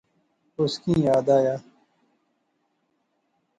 اس کی یاد آیا